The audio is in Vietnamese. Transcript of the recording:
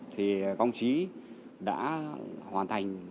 thì công trí đã hoàn thành